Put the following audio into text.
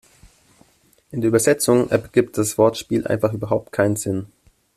In der Übersetzung ergibt das Wortspiel einfach überhaupt keinen Sinn.